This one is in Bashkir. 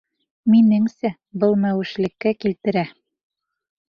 Минеңсә, был мәүешлеккә килтерә.